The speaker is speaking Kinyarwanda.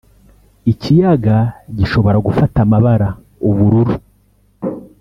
Ikiyaga gishobora gufata amabara (ubururu